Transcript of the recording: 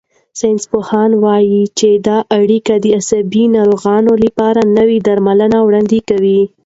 ساینسپوهان وايي چې دا اړیکه د عصبي ناروغیو لپاره نوي درملنې وړاندې کوي.